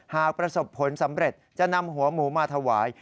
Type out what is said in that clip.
หากประสบผลสำเร็จจะนำหัวหมูมาถวาย